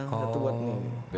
oh kayak tukang jam kali ya